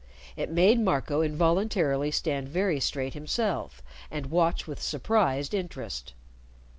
It made Marco involuntarily stand very straight himself, and watch with surprised interest.